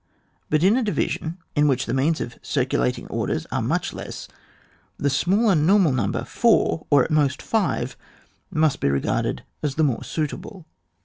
But in a division in which the means of circulating orders are much less, the smaller normal number four, or at most five, may be regarded as the more suitable.